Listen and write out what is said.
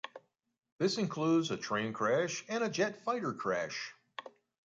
This includes a train crash and a jet fighter crash.